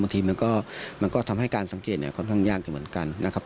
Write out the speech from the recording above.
ทีมันก็ทำให้การสังเกตเนี่ยค่อนข้างยากอยู่เหมือนกันนะครับ